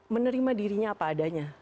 menerima dirinya apa adanya